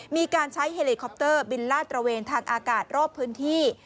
มีการใช้เฮลิคอปเตอร์บินลาดตระเวนทางอากาศรอบพื้นที่